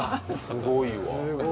すごいわ。